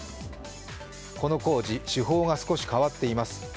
この工事、手法が少し変わっています。